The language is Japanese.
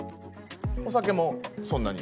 お酒もそんなに。